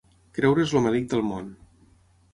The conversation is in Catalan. Creure's el melic del món.